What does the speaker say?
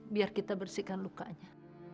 biar kita bersihkan lukanya